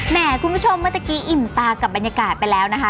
คุณผู้ชมเมื่อตะกี้อิ่มตากับบรรยากาศไปแล้วนะคะ